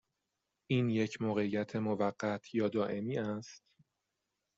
این یک موقعیت موقت یا دائمی است؟